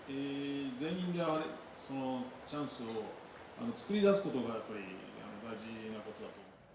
kita harus membuat kesempatan untuk membuat kesempatan